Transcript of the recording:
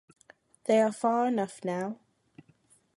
They are far enough now.